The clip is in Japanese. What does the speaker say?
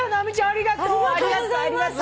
ありがとうございます。